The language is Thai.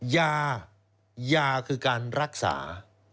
ยายาคือการรักษา